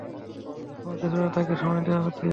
তোমার কিছুটা তাকে সময় দেওয়া উচিত।